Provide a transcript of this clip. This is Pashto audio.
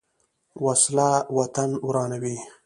وسله وطن ورانوي